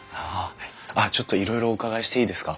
あっちょっといろいろお伺いしていいですか？